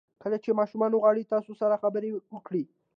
کله چې ماشومان وغواړي تاسو سره خبرې وکړي.